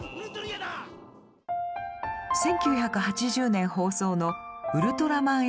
１９８０年放送の「ウルトラマン８０」。